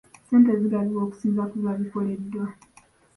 Ssente zigabibwa okusinziira ku biba bikoleddwa.